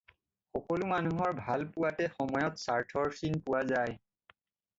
সকলো মানুহৰ ভাল-পোৱাতে সময়ত স্বাৰ্থৰ চিন পোৱা যায়